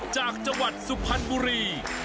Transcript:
จากจังหวัดสุพรรณบุรี